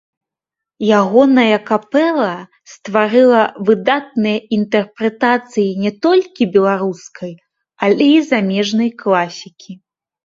Ягоная капэла стварыла выдатныя інтэрпрэтацыі не толькі беларускай, але і замежнай класікі.